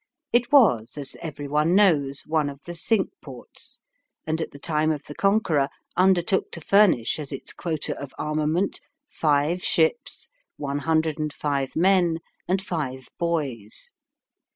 It was, as every one knows, one of the Cinque Ports, and at the time of the Conqueror undertook to furnish, as its quota of armament, five ships, one hundred and five men, and five boys.